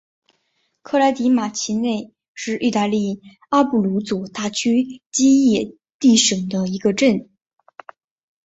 科莱迪马奇内是意大利阿布鲁佐大区基耶蒂省的一个镇。